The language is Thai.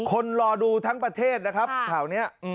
คนรอดูทั้งประเทศนะครับข่าวนี้